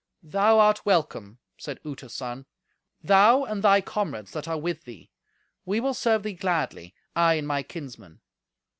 "Thou art welcome," said Uta's son; "thou and thy comrades that are with thee. We will serve thee gladly, I and my kinsmen."